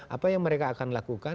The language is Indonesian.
apa yang mereka akan lakukan